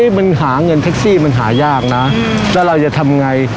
มันหาเงินแท็กซี่มันหายากนะแล้วเราจะทำไง